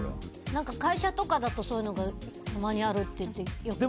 会社とかだとそういうのがたまにあるってよく聞きます。